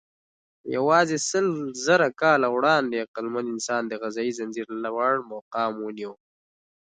یواځې سلزره کاله وړاندې عقلمن انسان د غذایي ځنځير لوړ مقام ونیو.